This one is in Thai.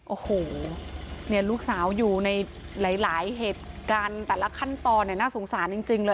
โอ้โหลูกสาวอยู่ในหลายเหตุการณ์แต่ละขั้นตอนเนี่ยน่าสงสารจริงเลย